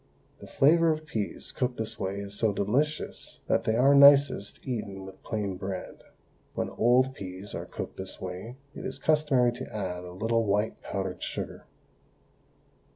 The flavour of peas cooked this way is so delicious that they are nicest eaten with plain bread. When old peas are cooked this way it is customary to add a little white powdered sugar.